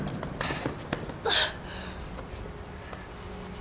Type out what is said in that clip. あっ